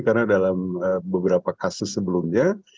karena dalam beberapa kasus sebelumnya